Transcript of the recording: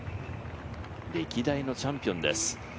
歴代のチャンピオンです。